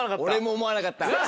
俺も思わなかった。